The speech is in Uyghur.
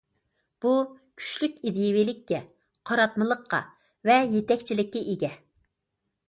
بۇ كۈچلۈك ئىدىيەۋىلىككە، قاراتمىلىققا ۋە يېتەكچىلىككە ئىگە.